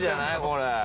これ。